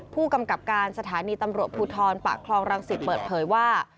ผู้กำกับการสถานีตำรวจภูทรปะคลองรังสิตเปิดเผยว่า